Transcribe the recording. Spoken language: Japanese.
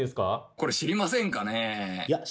これ知りませんかねえ？